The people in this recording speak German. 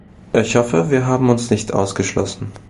Ich hoffe, wir haben uns nicht ausgeschlossen.